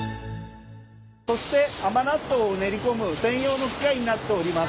そして甘納豆を練り込む専用の機械になっております。